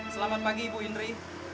selamat pagi ibu indri